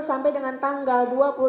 sampai dengan tanggal